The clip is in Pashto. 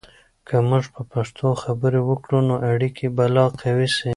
که موږ په پښتو خبرې وکړو، نو اړیکې به لا قوي سي.